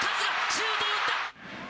シュートを打った。